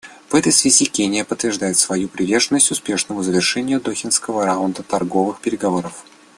В этой связи Кения подтверждает свою приверженность успешному завершению Дохинского раунда торговых переговоров.